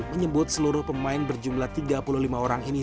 menyebut seluruh pemain berjumlah tiga puluh lima orang ini